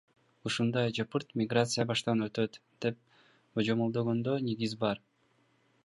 Ушундай жапырт миграция баштан өтөт деп божомолдогонго негиз бар.